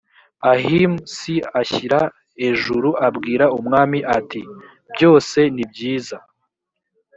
ahim si ashyira ejuru abwira umwami ati byose nibyiza